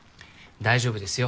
大丈夫ですよ。